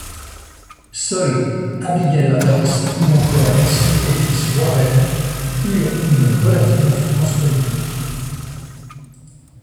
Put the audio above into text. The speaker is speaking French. Seules Abigail Adams ou encore Mercy Otis Warren eurent une relative influence politique.